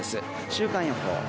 週間予報。